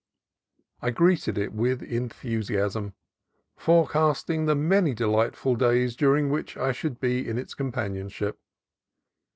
I greeted it with enthusiasm, forecasting the many delightful days during which I should be in its companionship.